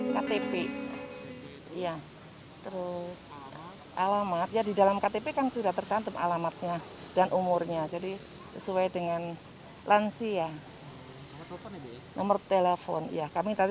ktp alamat ya di dalam ktp kan sudah tercantum alamatnya dan umurnya jadi sesuai dengan lansia